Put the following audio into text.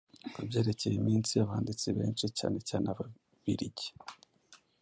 Ku byerekeye iminsi, abanditsi benshi, cyane cyane Ababiligi,